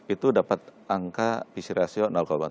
itu dapat angka pc ratio tujuh